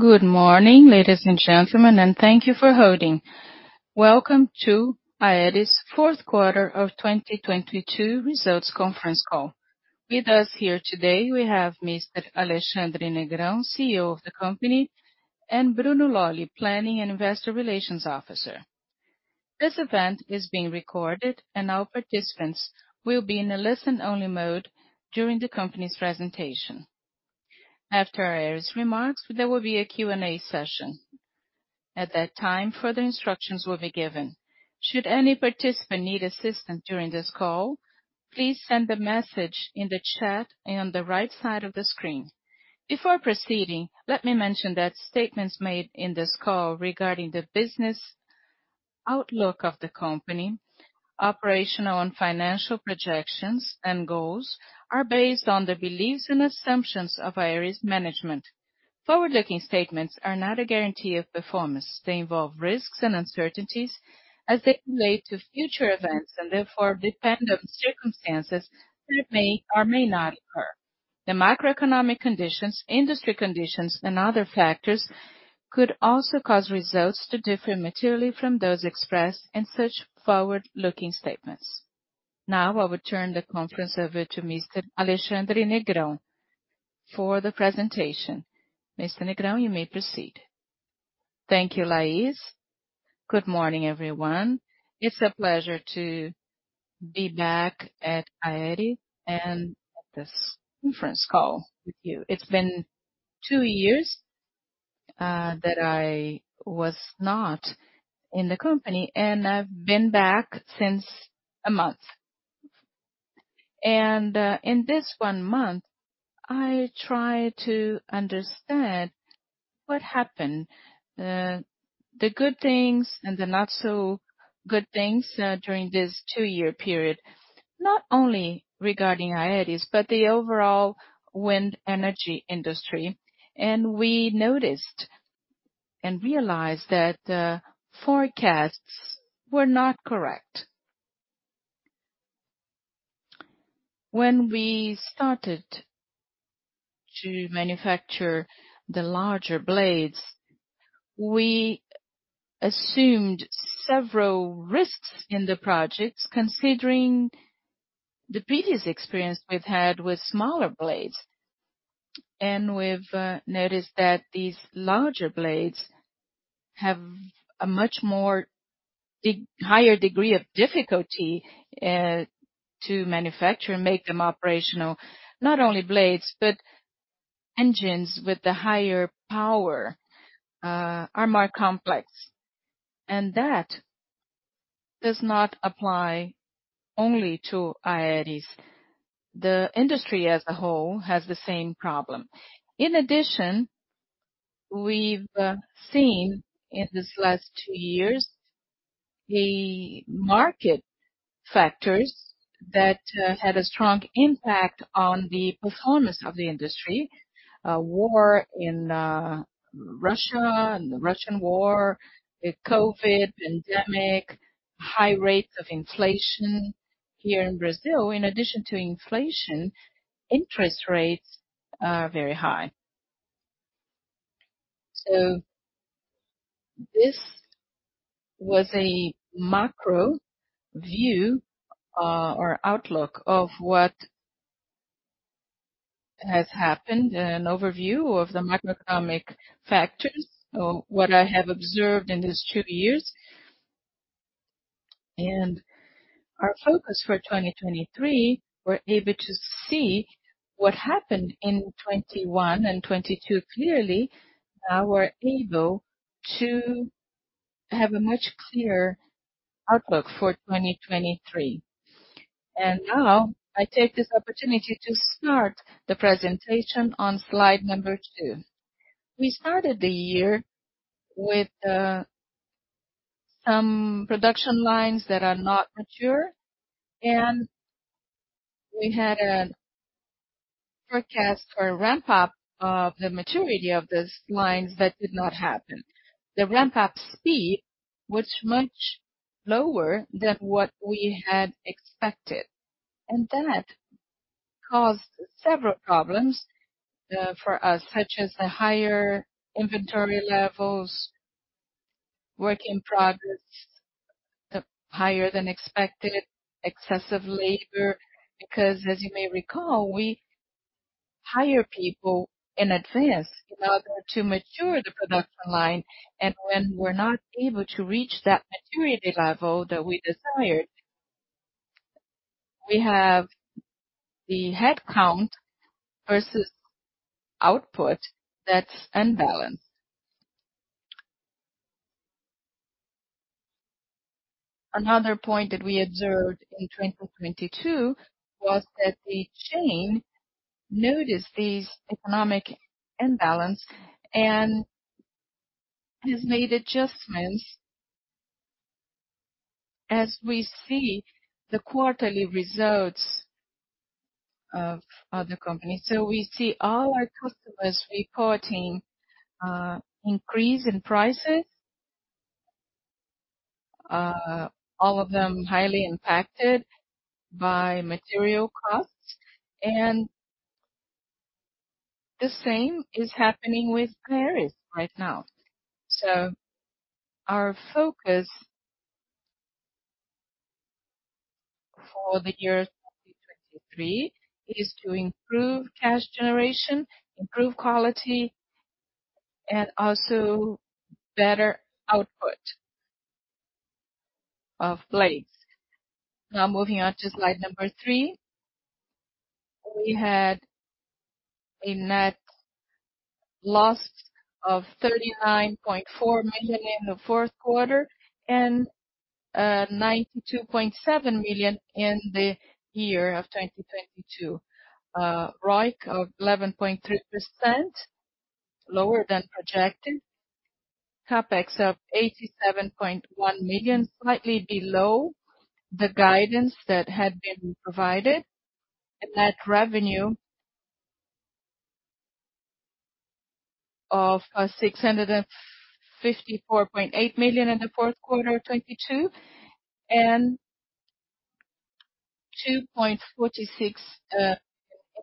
Good morning, ladies and gentlemen. Thank you for holding. Welcome to Aeris' 4th quarter of 2022 results conference call. With us here today, we have Mr. Alexandre Negrão, CEO of the company, and Bruno Lolli, Planning and Investor Relations Officer. This event is being recorded. All participants will be in a listen-only mode during the company's presentation. After Aeris' remarks, there will be a Q&A session. At that time, further instructions will be given. Should any participant need assistance during this call, please send a message in the chat on the right side of the screen. Before proceeding, let me mention that statements made in this call regarding the business outlook of the company, operational and financial projections and goals are based on the beliefs and assumptions of Aeris' management. Forward-looking statements are not a guarantee of performance. They involve risks and uncertainties as they relate to future events and therefore depend on circumstances that may or may not occur. The macroeconomic conditions, industry conditions and other factors could also cause results to differ materially from those expressed in such forward-looking statements. I will turn the conference over to Mr. Alexandre Negrão for the presentation. Mr. Negrão, you may proceed. Thank you, Lais. Good morning, everyone. It's a pleasure to be back at Aeris and this conference call with you. It's been two years that I was not in the company, and I've been back since a month. In this one month, I tried to understand what happened. The good things and the not so good things during this two-year period. Not only regarding Aeris, but the overall wind energy industry. We noticed and realized that the forecasts were not correct. When we started to manufacture the larger blades, we assumed several risks in the projects considering the previous experience we've had with smaller blades. We've noticed that these larger blades have a much more higher degree of difficulty to manufacture and make them operational. Not only blades, but engines with the higher power are more complex. That does not apply only to Aeris'. The industry as a whole has the same problem. In addition, we've seen in these last two years, the market factors that had a strong impact on the performance of the industry. A war in Russia and the Russian war, the COVID pandemic, high rate of inflation here in Brazil. In addition to inflation, interest rates are very high. This was a macro view, or outlook of what has happened and an overview of the macroeconomic factors, or what I have observed in these two years. Our focus for 2023, we're able to see what happened in 2021 and 2022 clearly. Now we're able to have a much clearer outlook for 2023. Now I take this opportunity to start the presentation on Slide number 2. We started the year with some production lines that are not mature, and we had a forecast or a ramp-up of the maturity of those lines that did not happen. The ramp-up speed was much lower than what we had expected. That caused several problems for us, such as the higher inventory levels, work in process, higher than expected, excessive labor. As you may recall, we hire people in advance in order to mature the production line. When we're not able to reach that maturity level that we desired, we have the headcount versus output that's unbalanced. Another point that we observed in 2022 was that the chain noticed these economic imbalance and has made adjustments as we see the quarterly results of other companies. We see all our customers reporting, increase in prices. All of them highly impacted by material costs, and the same is happening with Aeris right now. Our focus for the year 2023 is to improve cash generation, improve quality, and also better output of blades. Moving on to Slide number 3. We had a net loss of 39.4 million in the fourth quarter, and 92.7 million in the year of 2022. ROIC of 11.3%, lower than projected. CapEx of 87.1 million, slightly below the guidance that had been provided. A net revenue of 654.8 million in the fourth quarter of 2022, and BRL 2.46 billion in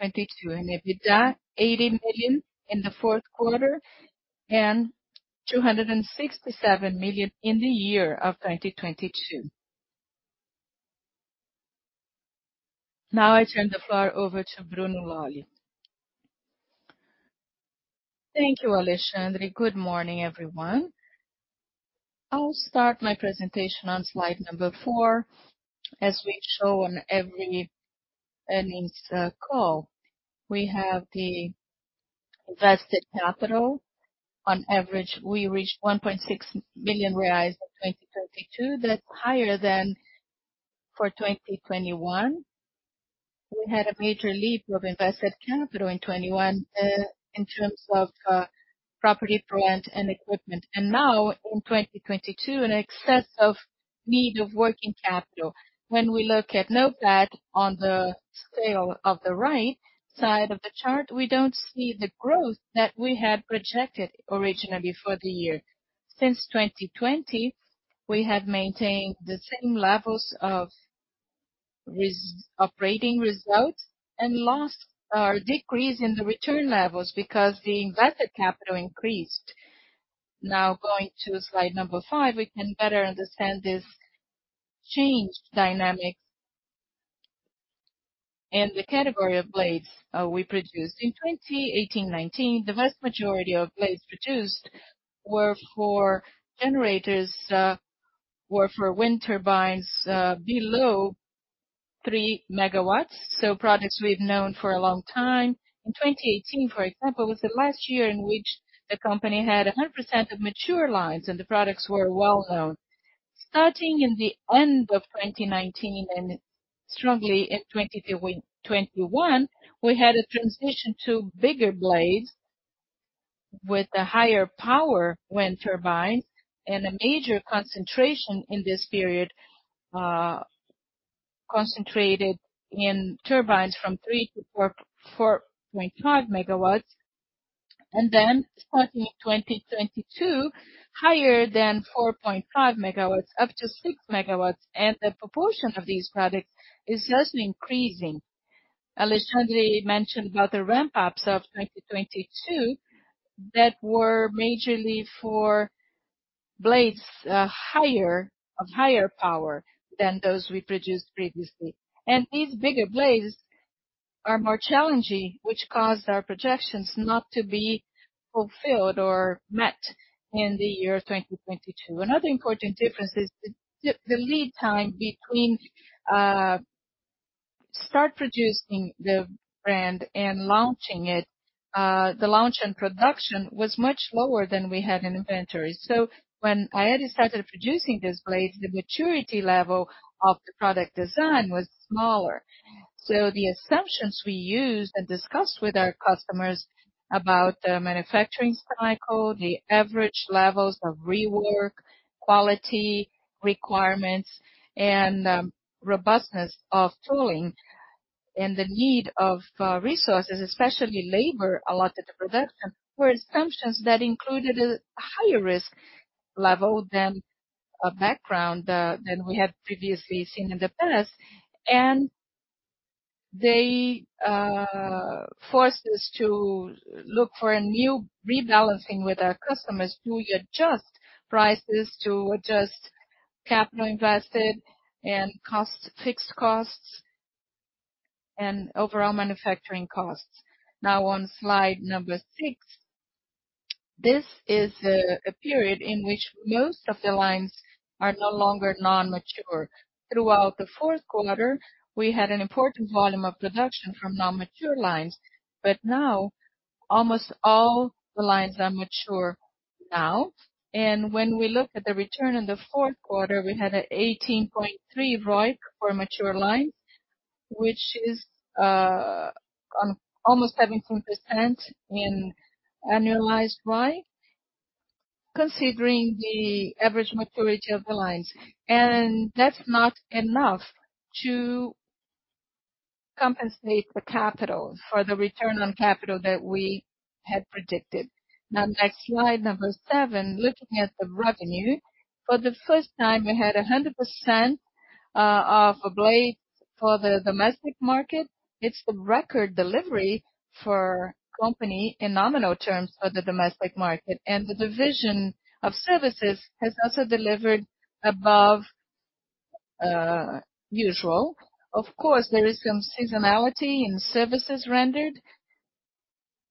2022. An EBITDA, 80 million in the fourth quarter and 267 million in the year of 2022. I turn the floor over to Bruno Lolli. Thank you, Alexandre. Good morning, everyone. I'll start my presentation on Slide number 4. As we show on every earnings call, we have the invested capital. On average, we reached 1.6 million reais in 2022. That's higher than for 2021. We had a major leap of invested capital in 2021, in terms of property, plant, and equipment. Now in 2022, in excess of need of working capital. When we look at NOPAT on the scale of the right side of the chart, we don't see the growth that we had projected originally for the year. Since 2020, we have maintained the same levels of operating results and lost or decrease in the return levels because the invested capital increased. Going to Slide number 5, we can better understand this changed dynamics and the category of blades we produced. In 2018, 2019, the vast majority of blades produced were for generators, were for wind turbines below 3 MW, so products we've known for a long time. In 2018, for example, was the last year in which the company had 100% of mature lines and the products were well-known. Starting in the end of 2019 and strongly in 2020-2021, we had a transition to bigger blades with a higher power wind turbine and a major concentration in this period, concentrated in turbines from 3 MW-4.5 MW. Starting in 2022, higher than 4.5 MW up to 6 MW. The proportion of these products is just increasing. Alexandre Negrão mentioned about the ramp-ups of 2022 that were majorly for blades of higher power than those we produced previously. These bigger blades are more challenging, which caused our projections not to be fulfilled or met in the year 2022. Another important difference is the lead time between start producing the brand and launching it. The launch and production was much lower than we had in inventory. When Aeris started producing this blade, the maturity level of the product design was smaller. The assumptions we used and discussed with our customers about the manufacturing cycle, the average levels of rework, quality requirements and robustness of tooling and the need of resources, especially labor allotted to production, were assumptions that included a higher risk level than we had previously seen in the past. They forced us to look for a new rebalancing with our customers to adjust prices to adjust capital invested and fixed costs and overall manufacturing costs. Now on Slide 6, this is a period in which most of the lines are no longer non-mature. Throughout the fourth quarter, we had an important volume of production from non-mature lines, but now almost all the lines are mature now. When we look at the return in the fourth quarter, we had an 18.3% ROIC for mature lines, which is almost 17% in annualized ROIC, considering the average maturity of the lines. That's not enough to compensate the capital for the return on capital that we had predicted. Next, Slide 7, looking at the revenue. For the first time, we had 100% of blades for the domestic market. It's the record delivery for company in nominal terms of the domestic market. The division of services has also delivered above usual. Of course, there is some seasonality in services rendered.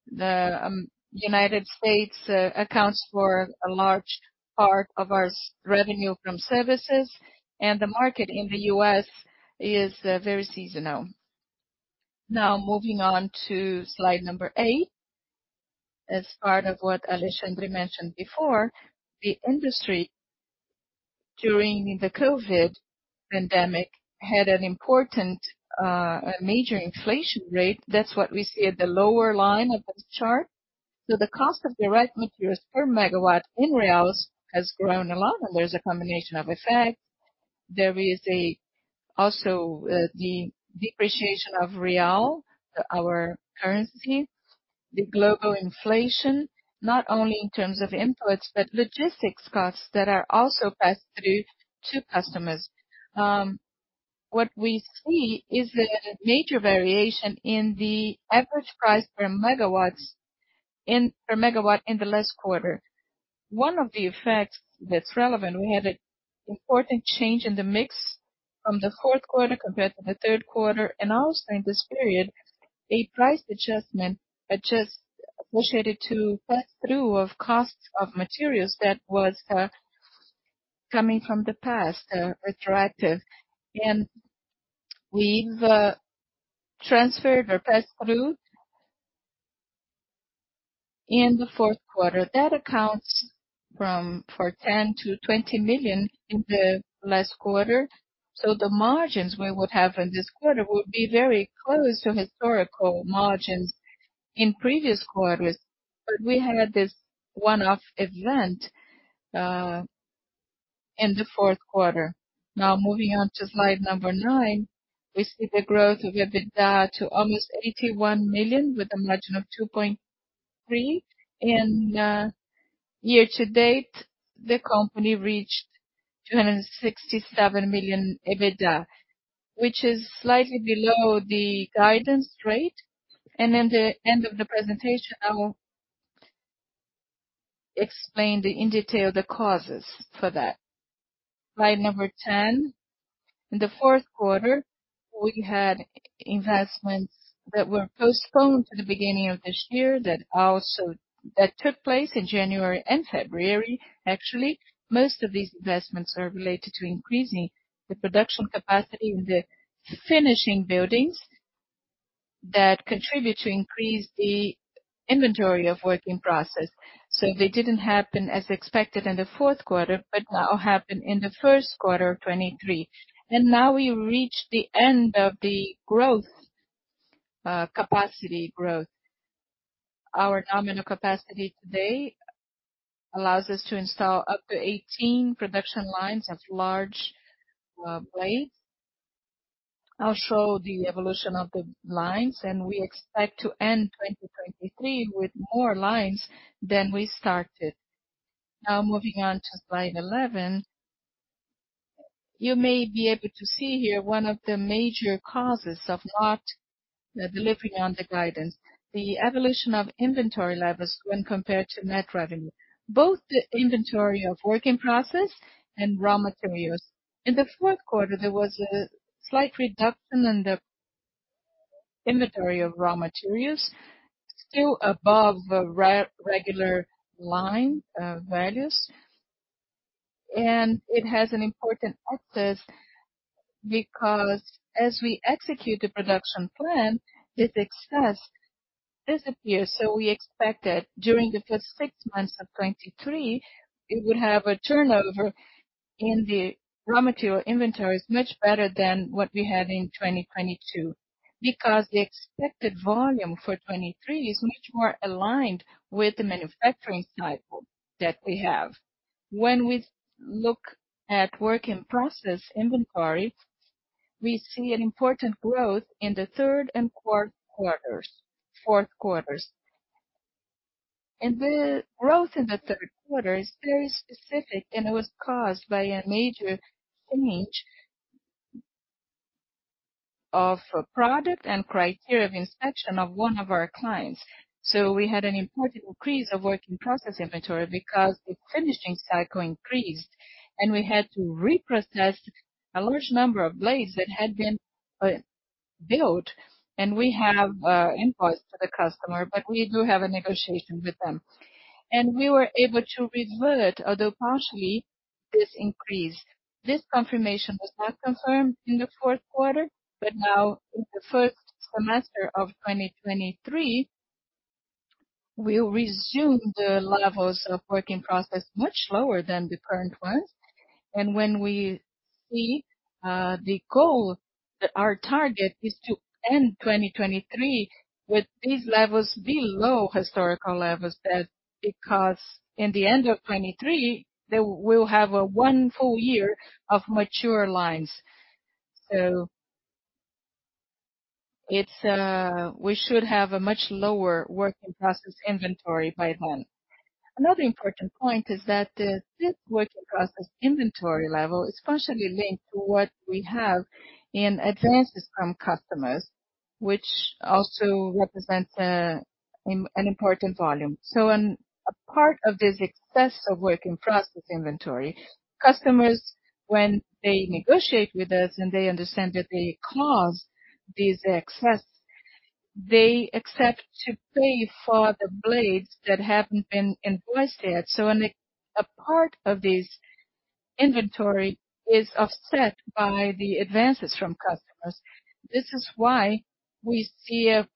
The United States accounts for a large part of our revenue from services, and the market in the U.S. is very seasonal. Moving on to slide 8. As part of what Alexandre mentioned before, the industry during the COVID pandemic had an important, major inflation rate. That's what we see at the lower line of this chart. The cost of direct materials per megawatt in reals has grown a lot, and there's a combination of effects. There is also the depreciation of real, our currency, the global inflation, not only in terms of inputs, but logistics costs that are also pass-through to customers. What we see is that a major variation in the average price per megawatt in the last quarter. One of the effects that's relevant, we had an important change in the mix from the fourth quarter compared to the third quarter. Also in this period, a price adjustment associated to pass-through of costs of materials that was coming from the past, retroactive. We've transferred or passed through in the fourth quarter. That accounts for 10 million-20 million in the last quarter. The margins we would have in this quarter would be very close to historical margins in previous quarters. We had this one-off event in the fourth quarter. Moving on to slide number 9. We see the growth of EBITDA to almost 81 million with a margin of 2.3%. Year to date, the company reached 267 million EBITDA, which is slightly below the guidance rate. In the end of the presentation, I will explain in detail the causes for that. Slide number 10. In the fourth quarter, we had investments that were postponed to the beginning of this year that took place in January and February. Actually, most of these investments are related to increasing the production capacity in the finishing buildings that contribute to increase the inventory of work in process. They didn't happen as expected in the fourth quarter, but now happen in the first quarer of 2023. Now we reach the end of the growth, capacity growth. Our nominal capacity today allows us to install up to 18 production lines of large blades. I'll show the evolution of the lines, and we expect to end 2023 with more lines than we started. Now moving on to Slide 11. You may be able to see here one of the major causes of not delivering on the guidance, the evolution of inventory levels when compared to net revenue, both the inventory of work in process and raw materials. In the fourth quarter, there was a slight reduction in the inventory of raw materials, still above the regular line values. It has an important excess because as we execute the production plan, this excess disappears. We expect that during the first six months of 2023, it would have a turnover in the raw material inventories much better than what we had in 2022, because the expected volume for 2023 is much more aligned with the manufacturing cycle that we have. When we look at work in process inventory, we see an important growth in the third and fourth quarters. The growth in the third quarter is very specific, and it was caused by a major change of product and criteria of inspection of one of our clients. We had an important increase of work in process inventory because the finishing cycle increased, and we had to reprocess a large number of blades that had been built, and we have invoiced to the customer, but we do have a negotiation with them. We were able to revert, although partially, this increase. This confirmation was not confirmed in the fourth quarter, but now in the first semester of 2023, we'll resume the levels of work in process much lower than the current ones. When we see the goal that our target is to end 2023 with these levels below historical levels, that because in the end of 2023, we'll have one full year of mature lines. It's, we should have a much lower work in process inventory by then. Another important point is that this work in process inventory level is partially linked to what we have in advances from customers, which also represents an important volume. A part of this excess of work in process inventory, customers, when they negotiate with us and they understand that they caused this excess, they accept to pay for the blades that haven't been invoiced yet. A part of this inventory is offset by the advances from customers. This is why we see a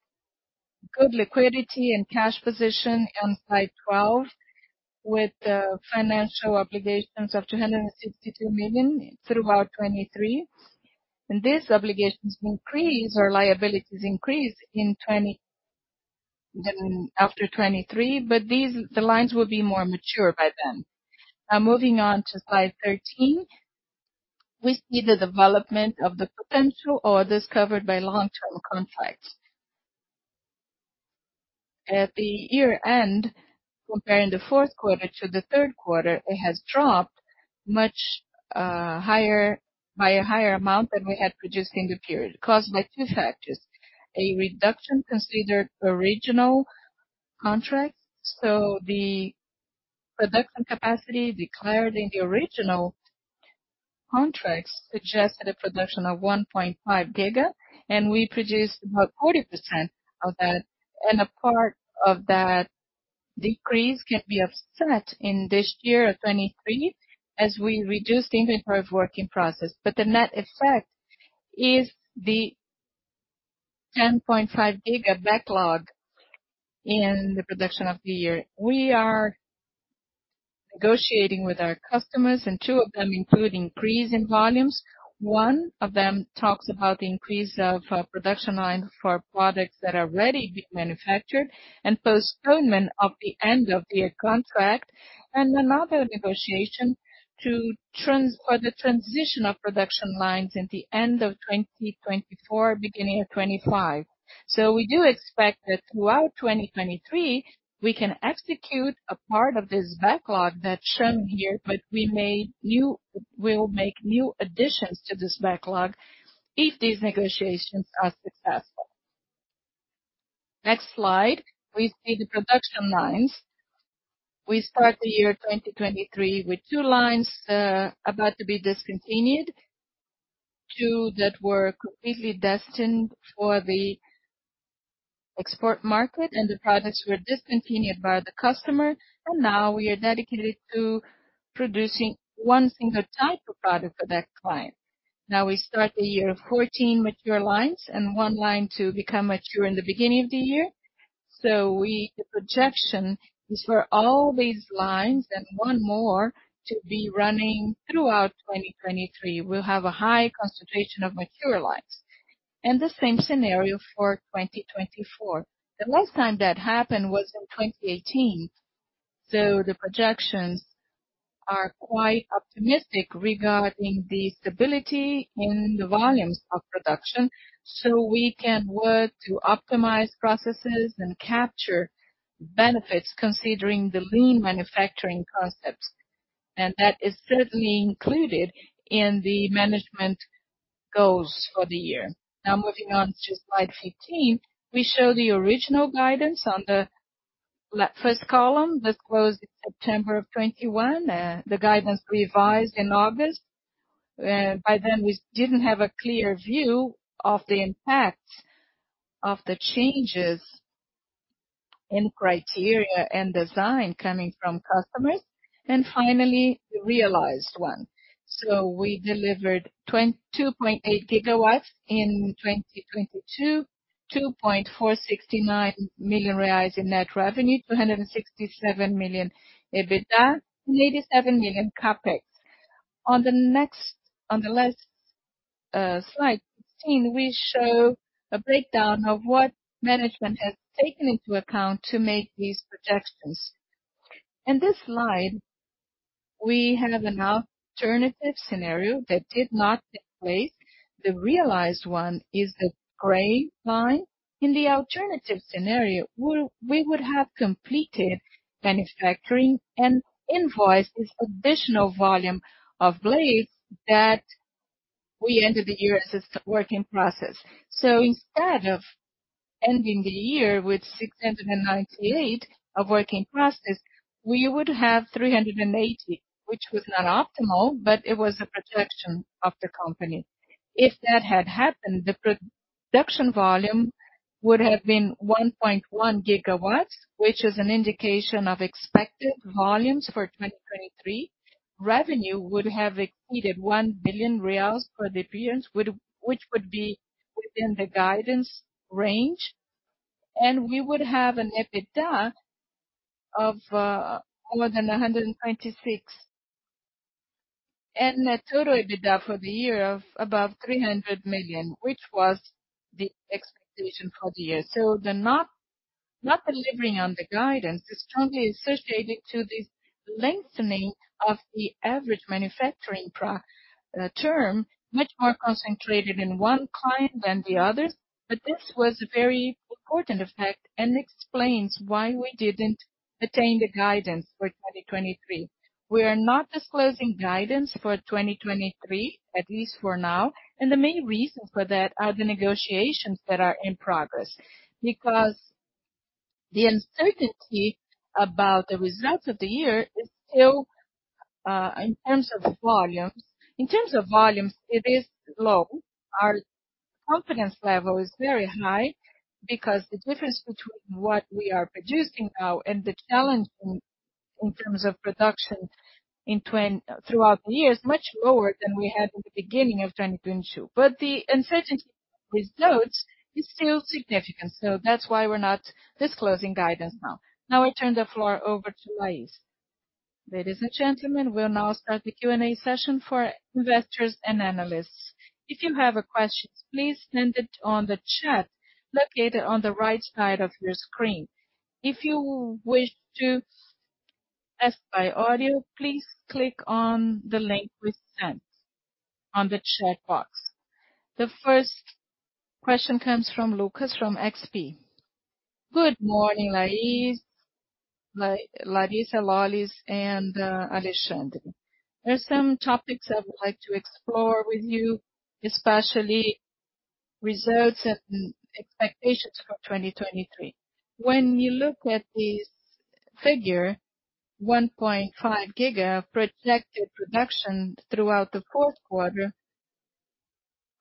good liquidity and cash position on Slide 12, with financial obligations of 262 million throughout 2023. These obligations increase or liabilities increase in 20 then after 2023, but the lines will be more mature by then. Moving on to Slide 13. We see the development of the potential orders covered by long-term contracts. At the year-end, comparing the fourth quarter to the third quarter, it has dropped much by a higher amount than we had produced in the period. Caused by two factors: A reduction considered original contracts. The production capacity declared in the original contracts suggested a production of 1.5 GW, and we produced about 40% of that. A part of that decrease can be offset in this year of 2023 as we reduce the inventory of work in process. The net effect is the 10.5 GW backlog in the production of the year. We are negotiating with our customers, two of them include increase in volumes. One of them talks about the increase of production line for products that are already being manufactured and postponement of the end of their contract. Another negotiation for the transition of production lines at the end of 2024, beginning of 2025. We do expect that throughout 2023, we can execute a part of this backlog that's shown here, but we'll make new additions to this backlog if these negotiations are successful. Next slide, we see the production lines. We start the year 2023 with two lines about to be discontinued. Two that were completely destined for the export market, the products were discontinued by the customer, we are dedicated to producing one single type of product for that client. We start the year, 14 mature lines and one line to become mature in the beginning of the year. The projection is for all these lines and one more to be running throughout 2023. We'll have a high concentration of mature lines. The same scenario for 2024. The last time that happened was in 2018. The projections are quite optimistic regarding the stability in the volumes of production, so we can work to optimize processes and capture benefits considering the lean manufacturing concepts. That is certainly included in the management goals for the year. Moving on to Slide 15. We show the original guidance on the first column that closed in September of 21. The guidance revised in August. By then we didn't have a clear view of the impact of the changes in criteria and design coming from customers. Finally, the realized one. We delivered 22.8 GW in 2022, 2.469 million reais in net revenue, 267 million EBITDA, and 87 million CapEx. On the last Slide, 16, we show a breakdown of what management has taken into account to make these projections. In this slide, we have an alternative scenario that did not take place. The realized one is the gray line. In the alternative scenario, we would have completed manufacturing and invoiced this additional volume of blades that we ended the year as just work in process. Instead of ending the year with 698 of work in process, we would have 380, which was not optimal, but it was a protection of the company. If that had happened, the production volume would have been 1.1 GW, which is an indication of expected volumes for 2023. Revenue would have exceeded 1 billion reais for the period, which would be within the guidance range. We would have an EBITDA of more than BRL 126 million. Net total EBITDA for the year of above 300 million, which was the expectation for the year. The not delivering on the guidance is strongly associated to this lengthening of the average manufacturing term, much more concentrated in one client than the others. This was a very important effect and explains why we didn't attain the guidance for 2023. We are not disclosing guidance for 2023, at least for now. The main reasons for that are the negotiations that are in progress. The uncertainty about the results of the year is still in terms of volumes. In terms of volumes, it is low. Our confidence level is very high because the difference between what we are producing now and the challenge in terms of production throughout the year is much lower than we had in the beginning of 2022. The uncertainty of results is still significant. That's why we're not disclosing guidance now. Now I turn the floor over to Lais. Ladies and gentlemen, we'll now start the Q&A session for investors and analysts. If you have a question, please send it on the chat located on the right side of your screen. If you wish to ask by audio, please click on the link we sent on the chat box. The first question comes from Lucas from XP. Good morning, Lais, Larissa Lollis, and Alexandre. There are some topics I would like to explore with you, especially results and expectations for 2023. When you look at this figure, 1.5 GW projected production throughout the fourth quarter,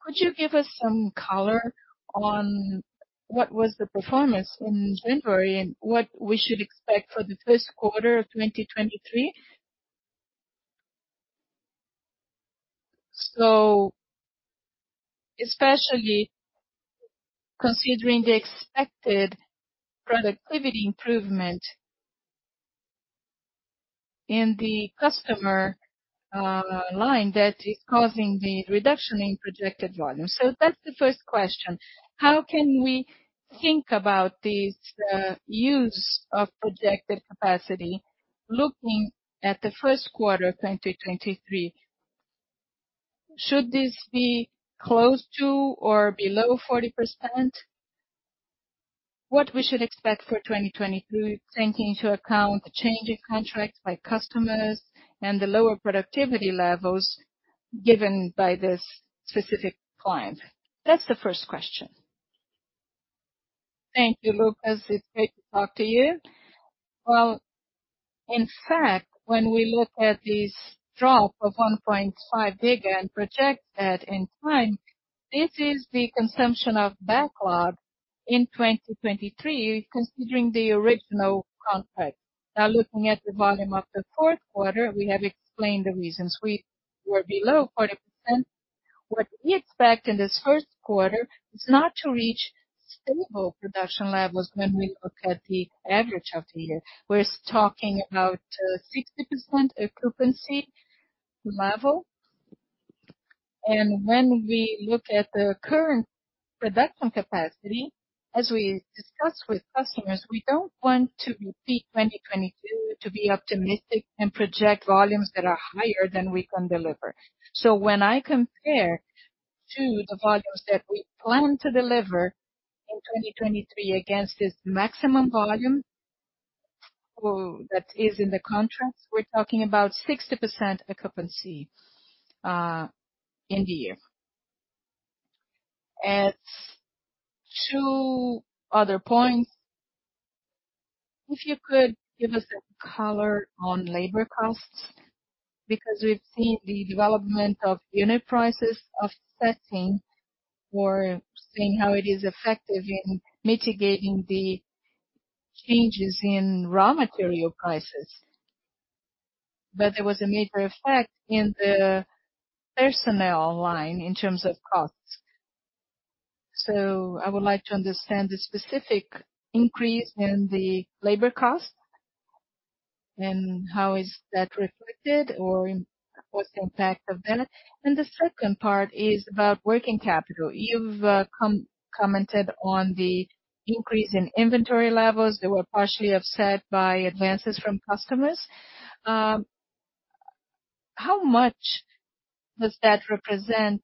could you give us some color on what was the performance in January and what we should expect for the first quarter of 2023? Especially considering the expected productivity improvement in the customer line that is causing the reduction in projected volume. That's the first question: How can we think about this use of projected capacity looking at the first quarter, 2023? Should this be close to or below 40%? What we should expect for 2023, taking into account the change in contracts by customers and the lower productivity levels given by this specific client? That's the first question. Thank you, Lucas. It's great to talk to you. In fact, when we look at this drop of 1.5 GW and project that in time, this is the consumption of backlog in 2023, considering the original contract. Looking at the volume of the fourth quarter, we have explained the reasons we were below 40%. What we expect in this first quarter is not to reach stable production levels when we look at the average of the year. We're talking about a 60% occupancy level. When we look at the current production capacity, as we discuss with customers, we don't want to repeat 2022, to be optimistic and project volumes that are higher than we can deliver. When I compare to the volumes that we plan to deliver in 2023 against this maximum volume, that is in the contracts, we're talking about 60% occupancy in the year. Two other points. If you could give us a color on labor costs, because we've seen the development of unit prices offsetting or seeing how it is effective in mitigating the changes in raw material prices. There was a major effect in the personnel line in terms of costs. I would like to understand the specific increase in the labor cost and how is that reflected or what's the impact of that. The second part is about working capital. You've commented on the increase in inventory levels that were partially offset by advances from customers. How much does that represent,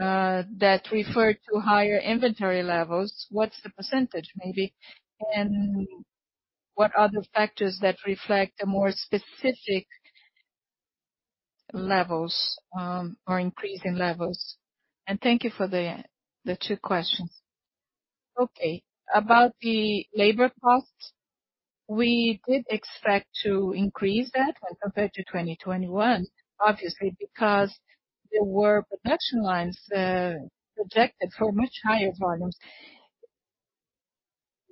that refer to higher inventory levels? What's the percentage maybe? What are the factors that reflect the more specific levels, or increase in levels? Thank you for the two questions. Okay. About the labor costs, we did expect to increase that when compared to 2021, obviously, because there were production lines, projected for much higher volumes.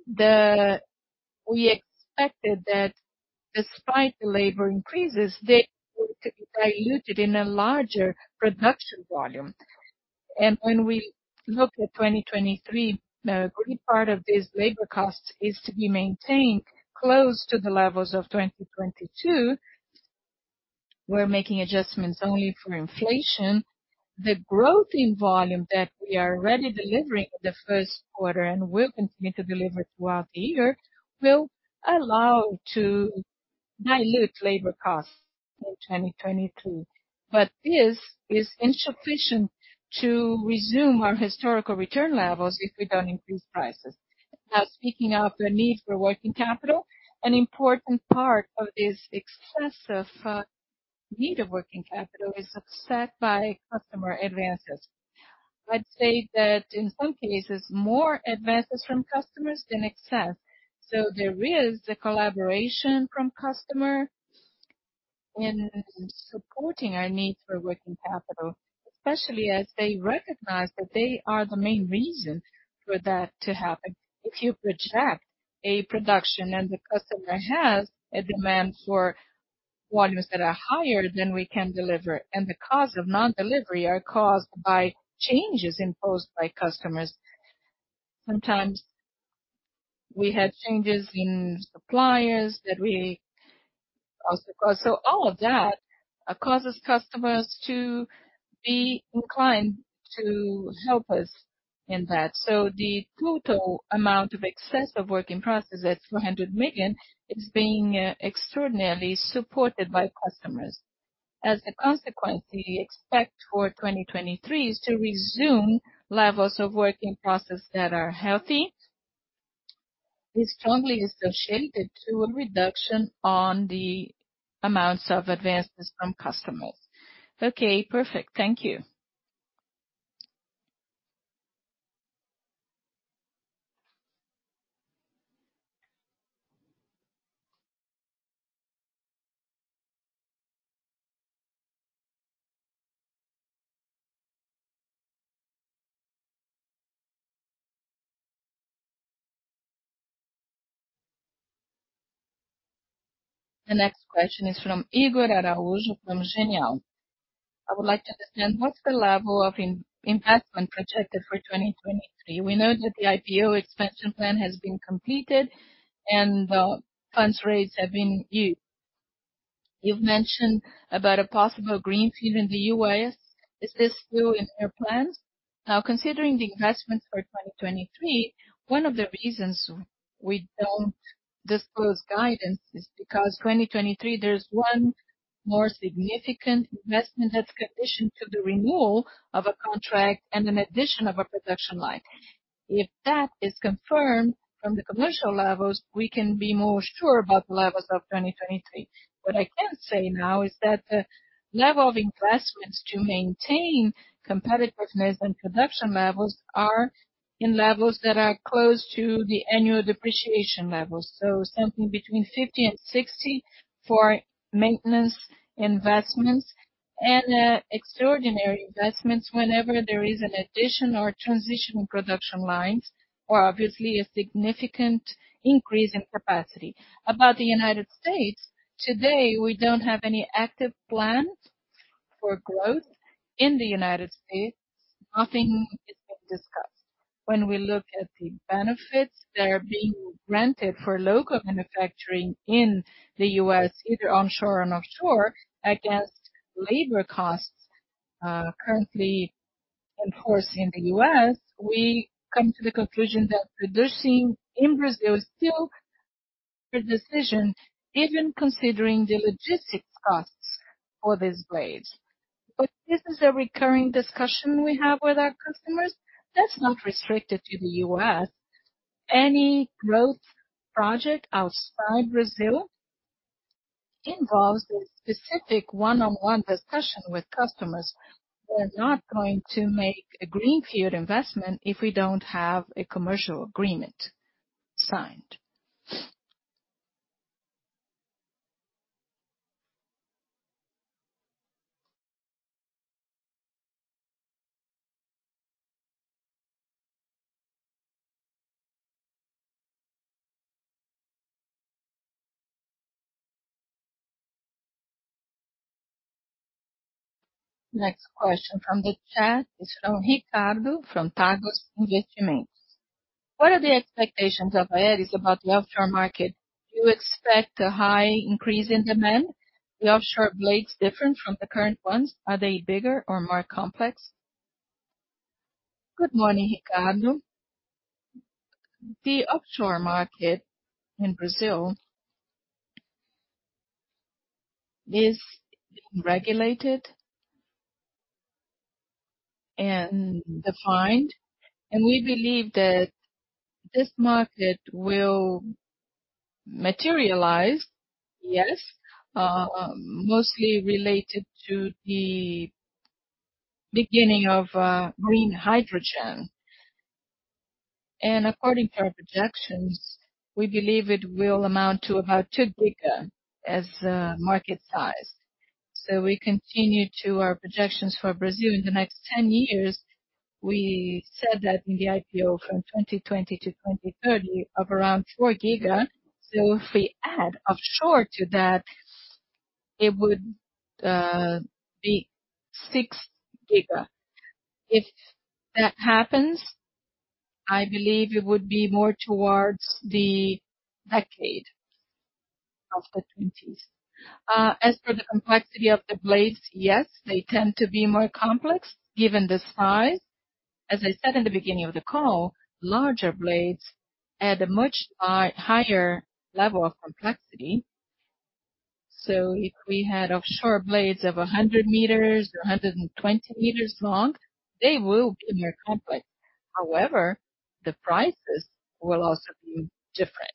We expected that despite the labor increases, they were to be diluted in a larger production volume. When we look at 2023, a great part of this labor cost is to be maintained close to the levels of 2022. We're making adjustments only for inflation. The growth in volume that we are already delivering in the first quarter and will continue to deliver throughout the year will allow to dilute labor costs in 2022. This is insufficient to resume our historical return levels if we don't increase prices. Now, speaking of the need for working capital, an important part of this excessive need of working capital is upset by customer advances. I'd say that in some cases more advances from customers than excess. There is the collaboration from customer in supporting our needs for working capital, especially as they recognize that they are the main reason for that to happen. If you project a production and the customer has a demand for volumes that are higher than we can deliver, and the cause of non-delivery are caused by changes imposed by customers. Sometimes we have changes in suppliers that we also cause. All of that causes customers to be inclined to help us in that. The total amount of excess of work in process at 400 million is being extraordinarily supported by customers. As a consequence, we expect for 2023 is to resume levels of work in process that are healthy, is strongly associated to a reduction on the amounts of advances from customers. Okay, perfect. Thank you. The next question is from Ygor Araujo from Genial. I would like to understand what's the level of investment projected for 2023. We know that the IPO expansion plan has been completed and funds raised have been used. You've mentioned about a possible greenfield in the U.S. Is this still in your plans? Considering the investments for 2023, one of the reasons we don't disclose guidance is because 2023, there's one more significant investment that's conditioned to the renewal of a contract and an addition of a production line. If that is confirmed from the commercial levels, we can be more sure about the levels of 2023. What I can say now is that the level of investments to maintain competitive maintenance and production levels are in levels that are close to the annual depreciation levels. Something between 50 and 60 for maintenance investments and extraordinary investments whenever there is an addition or transition in production lines or obviously a significant increase in capacity. About the United States, today, we don't have any active plans for growth in the United States. Nothing is being discussed. When we look at the benefits that are being granted for local manufacturing in the U.S., either onshore or offshore, against labor costs currently enforced in the U.S., we come to the conclusion that producing in Brazil is still a decision, even considering the logistics costs for these blades. This is a recurring discussion we have with our customers. That's not restricted to the U.S. Any growth project outside Brazil involves a specific one-on-one discussion with customers. We're not going to make a greenfield investment if we don't have a commercial agreement signed. Next question from the chat is from Ricardo from Tagus Investimentos. What are the expectations of Aeris about the offshore market? Do you expect a high increase in demand? The offshore blades different from the current ones, are they bigger or more complex? Good morning, Ricardo. The offshore market in Brazil is regulated and defined, and we believe that this market will materialize, yes, mostly related to the beginning of green hydrogen. According to our projections, we believe it will amount to about 2 giga as a market size. We continue to our projections for Brazil in the next 10 years. We said that in the IPO from 2020 to 2030 of around 4 giga. If we add offshore to thatIt would be 6 giga. If that happens, I believe it would be more towards the decade of the 20s. As for the complexity of the blades, yes, they tend to be more complex given the size. As I said in the beginning of the call, larger blades add a much higher level of complexity. If we had offshore blades of 100 meters or 120 meters long, they will be more complex. However, the prices will also be different.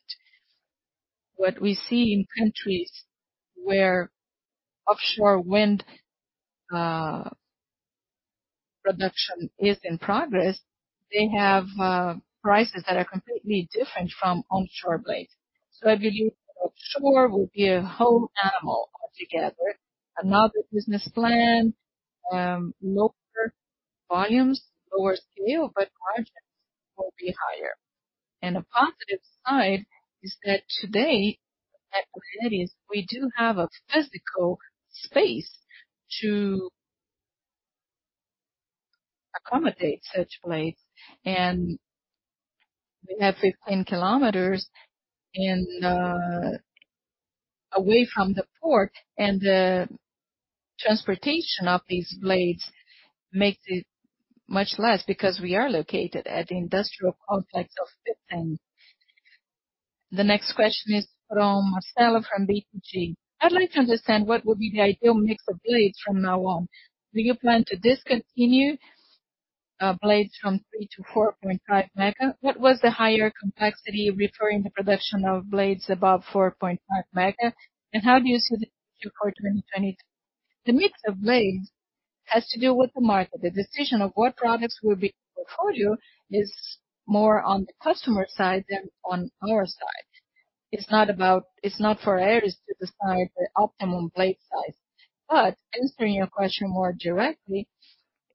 What we see in countries where offshore wind production is in progress, they have prices that are completely different from onshore blades. I believe offshore will be a whole animal altogether. Another business plan, lower volumes, lower scale, but margins will be higher. The positive side is that today, at Aeris, we do have a physical space to accommodate such blades, we have 15 km away from the port, and the transportation of these blades makes it much less because we are located at the industrial complex of Pecém. The next question is from Marcela from BTG. I'd like to understand what would be the ideal mix of blades from now on. Do you plan to discontinue blades from 3 mega to 4.5 mega? What was the higher complexity referring the production of blades above 4.5 mega? How do you see the future for 2022? The mix of blades has to do with the market. The decision of what products will be in the portfolio is more on the customer side than on our side. It's not for Aeris to decide the optimum blade size. Answering your question more directly,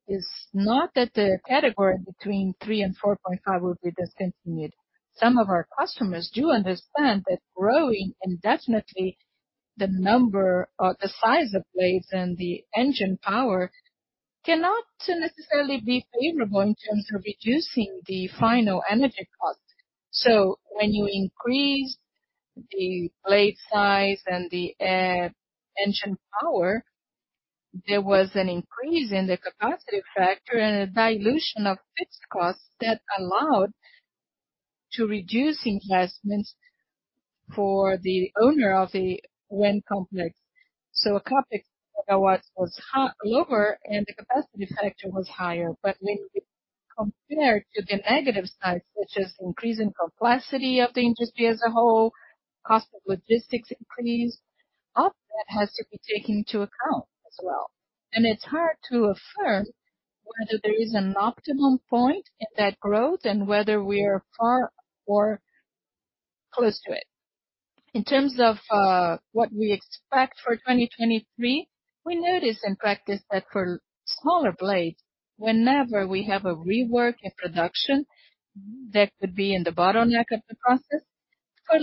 it's not that the category between 3 MW and 4.5 MW will be discontinued. Some of our customers do understand that growing indefinitely the number or the size of blades and the engine power cannot necessarily be favorable in terms of reducing the final energy cost. When you increase the blade size and the engine power, there was an increase in the capacity factor and a dilution of fixed costs that allowed to reduce investments for the owner of a wind complex. A complex megawatts was lower and the capacity factor was higher. When you compare to the negative sides, which is increase in complexity of the industry as a whole, cost of logistics increase, all that has to be taken into account as well. It's hard to affirm whether there is an optimum point in that growth and whether we are far or close to it. In terms of what we expect for 2023, we notice in practice that for smaller blades, whenever we have a rework in production, that could be in the bottleneck of the process. For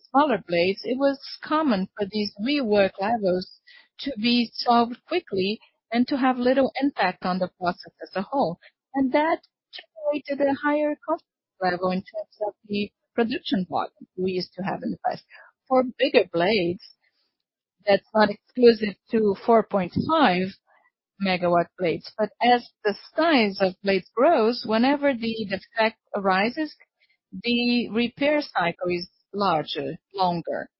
smaller blades, it was common for these rework levels to be solved quickly and to have little impact on the process as a whole. That typically to the higher cost level in terms of the production volume we used to have in the past. For bigger blades, that's not exclusive to 4.5 MW blades. As the size of blades grows, whenever the defect arises, the repair cycle is larger, longer.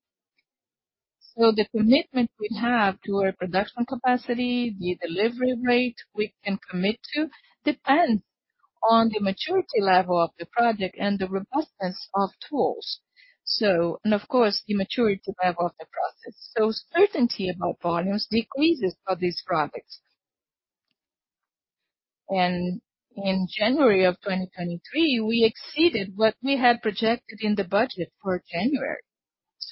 The commitment we have to our production capacity, the delivery rate we can commit to depends on the maturity level of the project and the robustness of tools. Of course, the maturity level of the process. Certainty about volumes decreases for these products. In January of 2023, we exceeded what we had projected in the budget for January.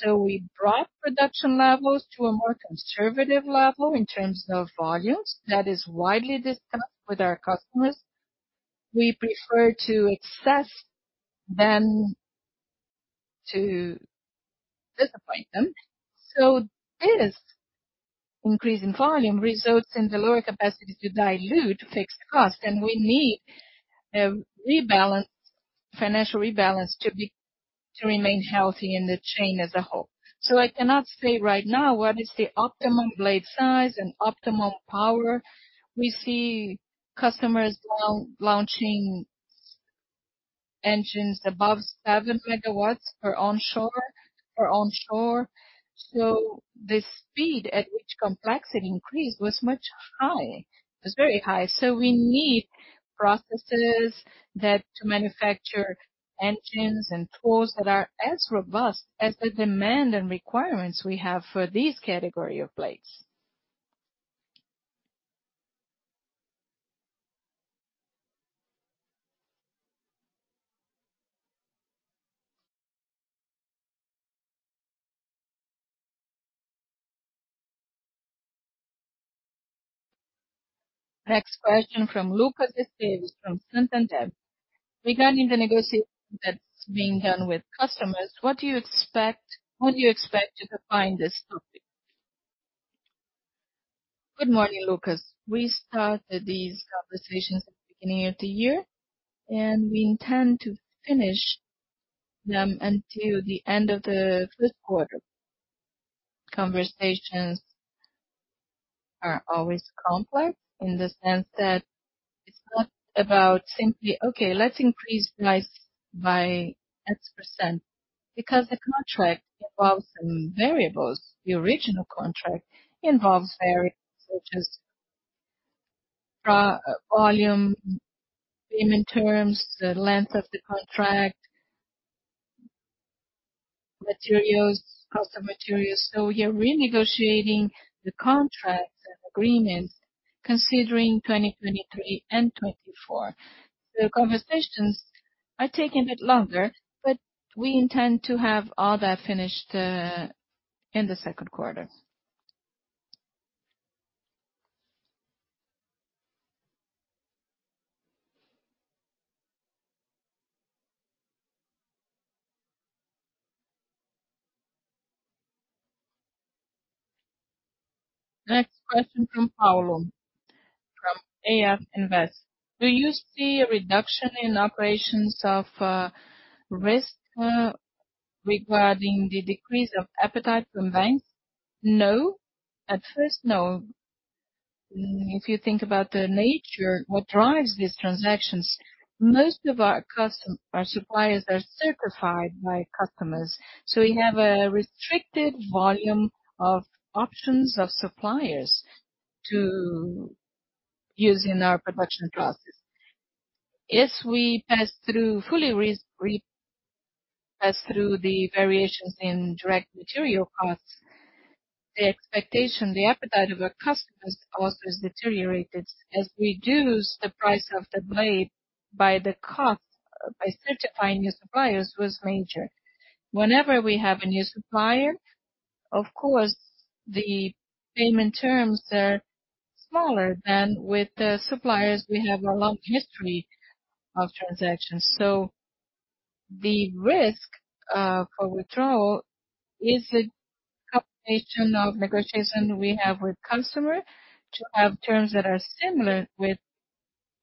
We brought production levels to a more conservative level in terms of volumes. That is widely discussed with our customers. We prefer to excess than to disappoint them. This increase in volume results in the lower capacity to dilute fixed cost, and we need a financial rebalance to remain healthy in the chain as a whole. I cannot say right now what is the optimum blade size and optimum power. We see customers now launching engines above seven megawatts for onshore, for onshore. The speed at which complexity increased was much high. It was very high. We need processes that to manufacture engines and tools that are as robust as the demand and requirements we have for these category of blades. Next question from Lucas Esteves from Santander. Regarding the negotiation that's being done with customers, what do you expect when do you expect to define this topic? Good morning, Lucas. We started these conversations at the beginning of the year, and we intend to finish them until the end of the first quarter. Conversations are always complex in the sense that it's not about simply, okay, let's increase price by X%. The contract involves some variables. The original contract involves variables such as volume, payment terms, the length of the contract, materials, cost of materials. We are renegotiating the contracts and agreements considering 2023 and 2024. The conversations are taking a bit longer, but we intend to have all that finished in the second quarter. Next question from Paulo, from AF Invest. Do you see a reduction in operations of risk regarding the decrease of appetite from banks? No. At first, no. If you think about the nature, what drives these transactions, most of our suppliers are certified by customers. We have a restricted volume of options of suppliers to use in our production process. As we Pass-through the variations in direct material costs, the expectation, the appetite of our customers also is deteriorated as we reduce the price of the blade by the cost, by certifying new suppliers was major. Whenever we have a new supplier, of course, the payment terms are smaller than with the suppliers we have a long history of transactions. The risk for withdrawal is a combination of negotiation we have with consumer to have terms that are similar with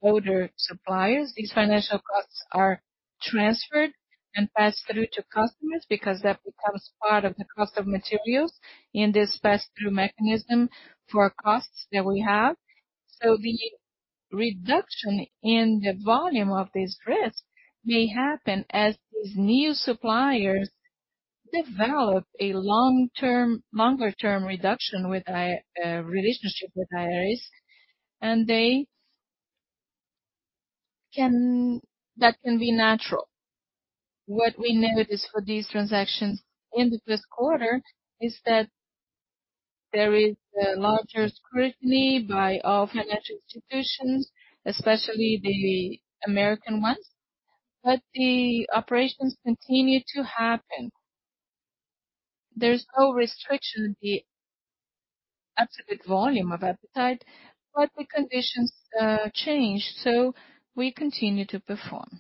older suppliers. These financial costs are transferred and passed through to customers because that becomes part of the cost of materials in this pass-through mechanism for costs that we have. The reduction in the volume of this risk may happen as these new suppliers develop a longer term reduction with a relationship with higher risk, and that can be natural. What we notice for these transactions in the first quarter is that there is a larger scrutiny by all financial institutions, especially the American ones. The operations continue to happen. There's no restriction, the absolute volume of appetite, but the conditions change, so we continue to perform.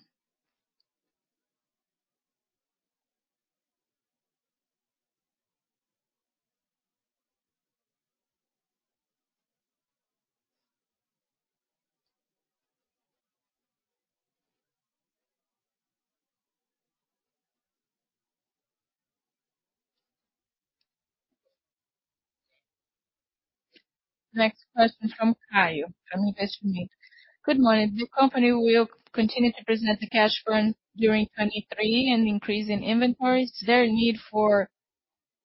Next question from Caio, from Investment. Good morning. The company will continue to present the cash burn during 2023 and increase in inventories. Is there a need for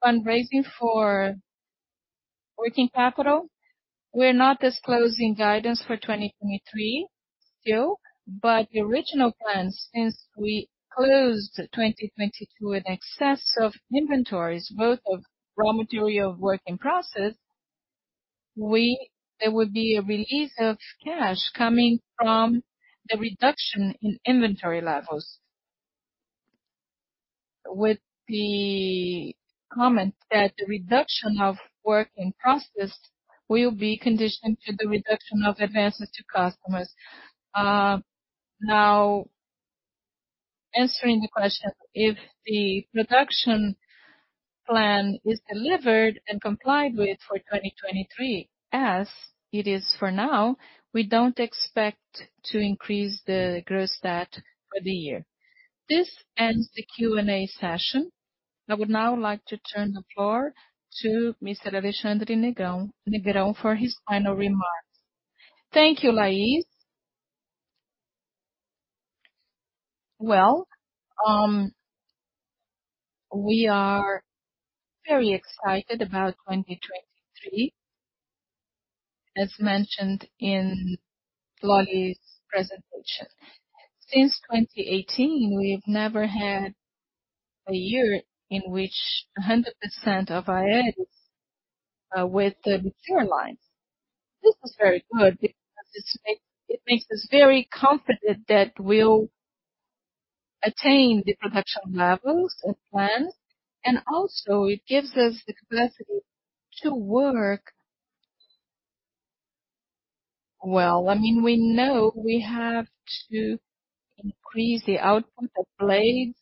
fundraising for working capital? We're not disclosing guidance for 2023 still, but the original plan since we closed 2022 in excess of inventories, both of raw material work in process, there would be a release of cash coming from the reduction in inventory levels. With the comment that the reduction of work in process will be conditioned to the reduction of advances to customers. Now answering the question, if the reduction plan is delivered and complied with for 2023, as it is for now, we don't expect to increase the gross debt for the year. This ends the Q&A session. I would now like to turn the floor to Mr. Alexandre Negrão for his final remarks. Thank you, Lais. We are very excited about 2023, as mentioned in Lais' presentation. Since 2018, we've never had a year in which 100% of our earnings with the mature lines. This is very good because it makes us very confident that we'll attain the production levels as planned, it gives us the capacity to work. I mean, we know we have to increase the output of blades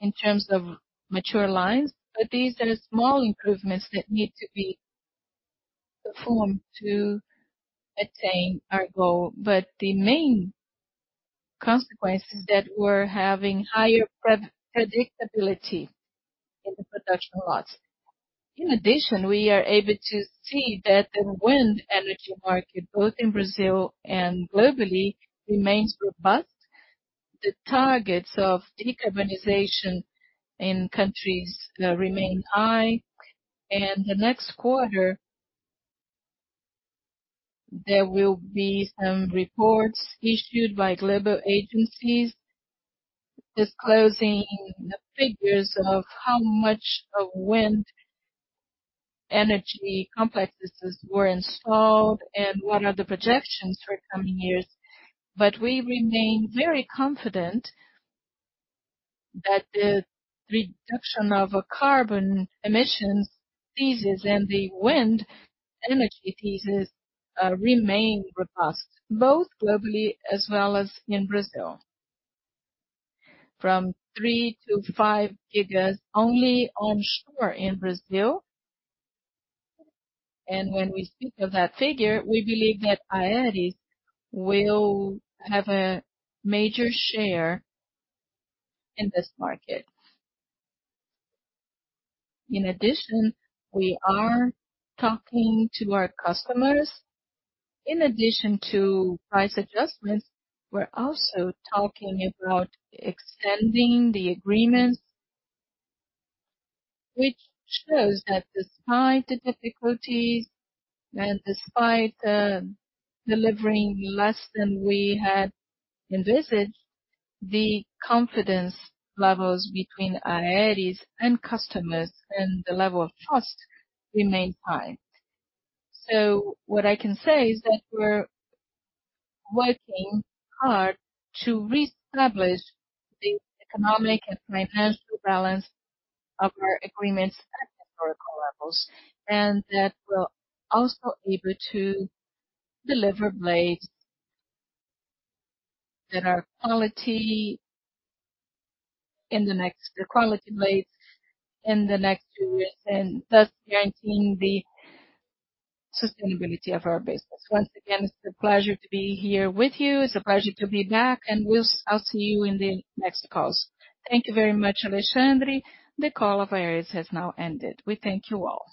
in terms of mature lines, these are small improvements that need to be performed to attain our goal. The main consequence is that we're having higher predictability in the production lots. In addition, we are able to see that the wind energy market, both in Brazil and globally, remains robust. The targets of decarbonization in countries remain high, the next quarter there will be some reports issued by global agencies disclosing the figures of how much of wind energy complexes were installed and what are the projections for coming years. We remain very confident that the reduction of carbon emissions thesis and the wind energy thesis remain robust, both globally as well as in Brazil. From 3 to 5 gigas only onshore in Brazil. When we speak of that figure, we believe that Aeris will have a major share in this market. In addition, we are talking to our customers. In addition to price adjustments, we're also talking about extending the agreements, which shows that despite the difficulties and despite delivering less than we had envisaged, the confidence levels between Aeris and customers and the level of trust remain high. What I can say is that we're working hard to reestablish the economic and financial balance of our agreements at historical levels, and that we're also able to deliver quality blades in the next two years, and thus guaranteeing the sustainability of our business. Once again, it's a pleasure to be here with you. It's a pleasure to be back, I'll see you in the next calls. Thank you very much, Alexandre. The call of Aeris has now ended. We thank you all.